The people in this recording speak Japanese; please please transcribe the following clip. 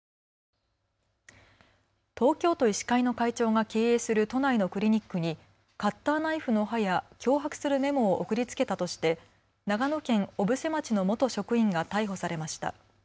東京都医師会の会長が経営する都内のクリニックにカッターナイフの刃や脅迫するメモを送りつけたとして長野県小布施町の元職員が逮捕されました。